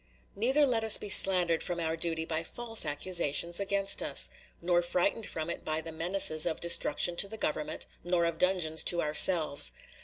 Neither let us be slandered from our duty by false accusations against us, nor frightened from it by menaces of destruction to the Government nor of dungeons to ourselves.